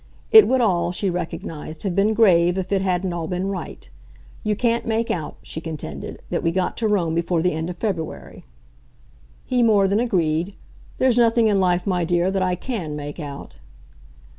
It would all," she recognised, "have been grave if it hadn't all been right. You can't make out," she contended, "that we got to Rome before the end of February." He more than agreed. "There's nothing in life, my dear, that I CAN make out."